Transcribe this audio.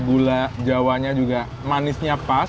gula jawa nya juga manisnya pas